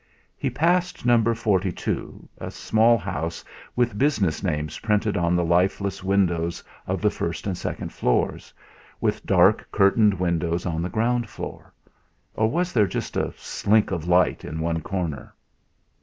He passed Number Forty two, a small house with business names printed on the lifeless windows of the first and second floors; with dark curtained windows on the ground floor, or was there just a slink of light in one corner?